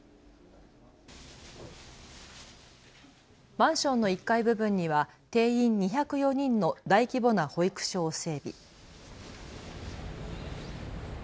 マンションの１階部分には定員２０４人の大規模な保育所を整備。